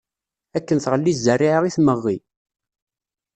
Akken tɣelli zzarriɛa i tmeɣɣi.